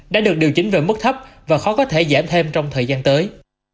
đã được điều chỉnh về mức thấp và khó có thể giảm thêm trong thời gian tới